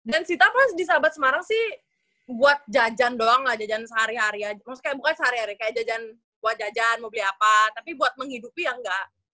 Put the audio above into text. dan sita pas di sahabat semarang sih buat jajan doang lah jajan sehari hari aja maksudnya kayak bukan sehari hari kayak jajan buat jajan mau beli apa tapi buat menghidupi ya nggak